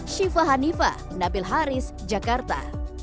syifa hanifah nabil haris jakarta